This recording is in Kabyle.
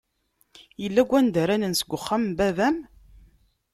Illa wanda ara nens deg wexxam n baba-m?